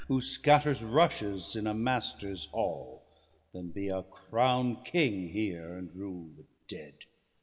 Who scatters rushes in a master's hall, Than be a crown'd king here, and rule the dead.